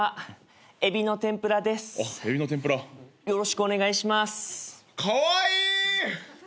よろしくお願いします。